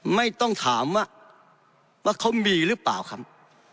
ไม่ต้องถามว่าเขามีหรือเปล่าครับ